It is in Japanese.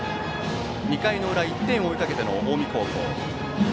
２回の裏、１点を追いかけての近江高校。